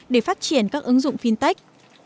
để phát triển các ứng dụng fintech